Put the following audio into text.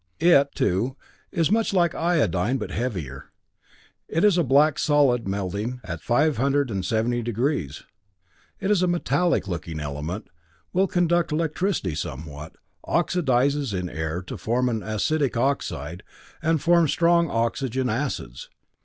"It, too, is much like iodine, but heavier. It is a black solid melting at 570 degrees; it is a metallic looking element, will conduct electricity somewhat, oxidizes in air to form an acidic oxide, and forms strong oxygen acids.